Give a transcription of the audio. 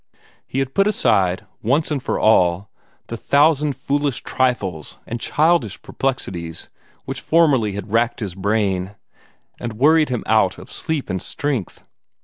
He had put aside, once and for all, the thousand foolish trifles and childish perplexities which formerly had racked his brain, and worried him out of sleep and strength.